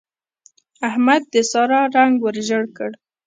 احمد د سارا رنګ ور ژړ کړ.